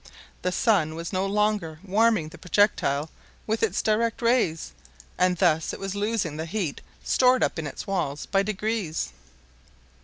The sun was no longer warming the projectile with its direct rays, and thus it was losing the heat stored up in its walls by degrees.